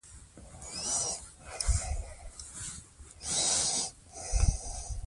هغه په موشک کارېز کې اوسېده.